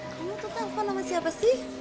kamu tuh telpon sama siapa sih